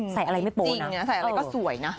ใส่อะไรไม่โป๊ะนะใส่อะไรก็สวยนะ